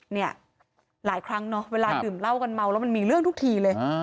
เนี่ยหลายครั้งเนาะเวลาดื่มเหล้ากันเมาแล้วมันมีเรื่องทุกทีเลย